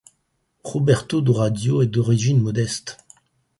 Roberto D'Orazio est d'origine modeste.